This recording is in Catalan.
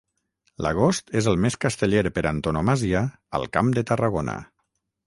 l'agost és el mes casteller per antonomàsia al Camp de Tarragona